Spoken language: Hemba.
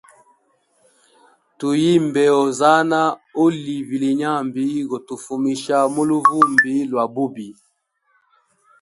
Tu yimbe Ozana uli vilyenyambi gotufumisha muluvumbi lwa bubi.